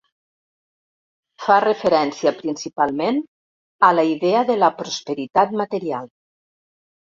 Fa referència principalment a la idea de la prosperitat material.